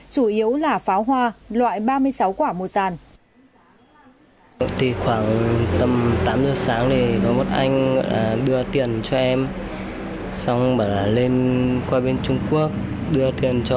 chủ yếu là pháo hoa loại ba mươi sáu quả một dàn